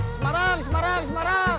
semarang sembarang sembarang